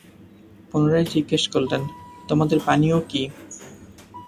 পুনরায় জিজ্ঞেস করলেনঃ তোমাদের পানীয় কি?